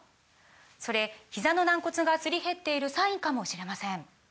それひざの軟骨がすり減っているサインかもしれません